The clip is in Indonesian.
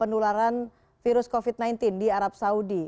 penularan virus covid sembilan belas di arab saudi